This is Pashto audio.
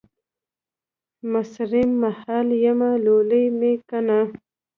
مصریم ، محل یمه ، لولی مې کنه